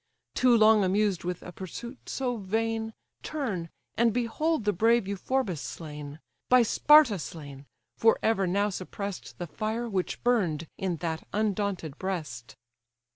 Too long amused with a pursuit so vain, Turn, and behold the brave Euphorbus slain; By Sparta slain! for ever now suppress'd The fire which burn'd in that undaunted breast!"